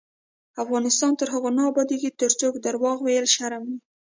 افغانستان تر هغو نه ابادیږي، ترڅو درواغ ویل شرم وي.